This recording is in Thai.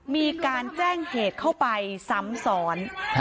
มีการแจ้งเหตุเข้าไปซ้ำซ้อน